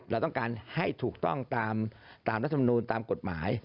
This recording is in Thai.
เราต้องการให้ถูกต้องตามรัฐมนูลตามกฎหมาย